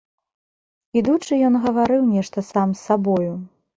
Ідучы ён гаварыў нешта сам з сабою.